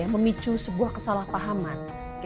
memicu sebuah kesalahpahaman